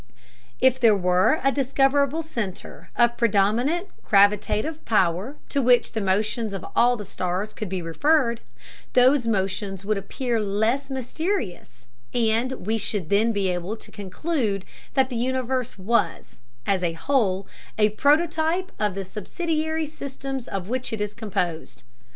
If there were a discoverable center of predominant gravitative power, to which the motions of all the stars could be referred, those motions would appear less mysterious, and we should then be able to conclude that the universe was, as a whole, a prototype of the subsidiary systems of which it is composed.